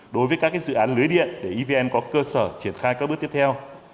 đối với các dự án lưới điện để evn có cơ sở triển khai các bước tiếp theo